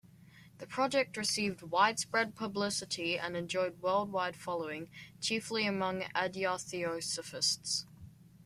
The project received widespread publicity and enjoyed worldwide following, chiefly among Adyar Theosophists.